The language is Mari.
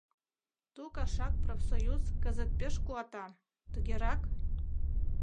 Ту кашак Профсоюз Кызыт пеш куатан, Тыгерак